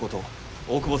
大久保様